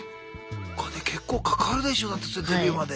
お金結構かかるでしょだってそれデビューまで。